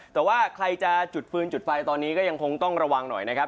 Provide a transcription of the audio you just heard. แต่ว่าใครจะจุดฟืนจุดไฟตอนนี้ก็ยังคงต้องระวังหน่อยนะครับ